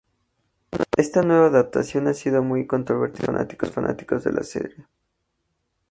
Esta nueva adaptación ha sido muy controvertido por los fanáticos de la serie.